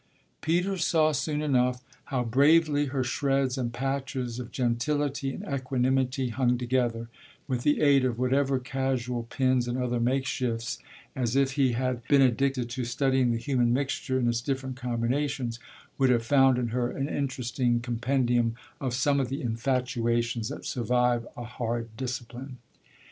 Peter saw soon enough how bravely her shreds and patches of gentility and equanimity hung together, with the aid of whatever casual pins and other makeshifts, and if he had been addicted to studying the human mixture in its different combinations would have found in her an interesting compendium of some of the infatuations that survive a hard discipline.